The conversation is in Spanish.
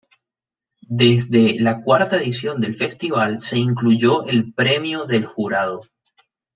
Desde la cuarta edición del festival se incluyó el Premio del Jurado.